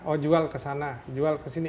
oh jual kesana jual kesini